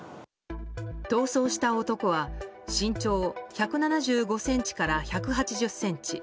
逃走した男は身長１７５ｃｍから１８０ｃｍ。